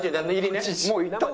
もう行った方が。